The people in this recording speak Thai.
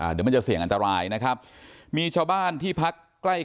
เดี๋ยวมันจะเสี่ยงอันตรายนะครับมีชาวบ้านที่พักใกล้